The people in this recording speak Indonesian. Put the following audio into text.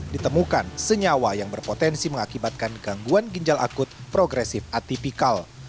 ditemukan senyawa yang berpotensi mengakibatkan gangguan ginjal akut progresif atipikal